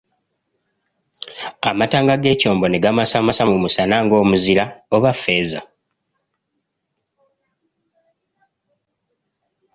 Amatanga g'ekyombo ne gamasamasa mu musana ng'omuzira oba ffeeza.